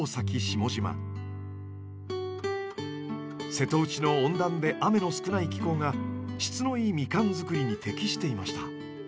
瀬戸内の温暖で雨の少ない気候が質のいいミカン作りに適していました。